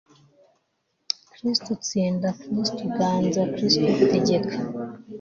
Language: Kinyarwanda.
kristu tsinda, kristu ganza, kristu tegeka